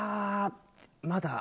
まだ。